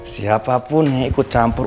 siapapun yang ikut campur